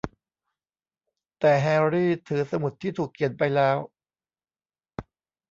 แต่แฮร์รี่ถือสมุดที่ถูกเขียนไปแล้ว